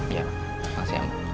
ya makasih mama